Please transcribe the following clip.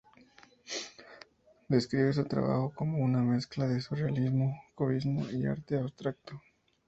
Describe su trabajo como una mezcla de surrealismo, cubismo y arte abstracto.